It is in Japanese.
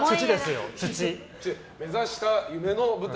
目指した夢の舞台